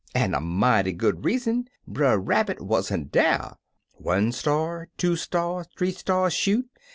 An' a mighty good reason — Brer Rabbit wa'n't dar I One star, two stars, three stars shoot.